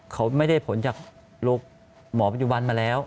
เขาไม่ได้ผลจากหมอปัจจุบันมาแล้ว